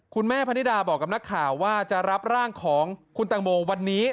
คุณแม่พนิดาบอกกับนักข่าวว่าจะรับร่างของคุณตังโมวันนี้